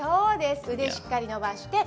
腕をしっかり伸ばして。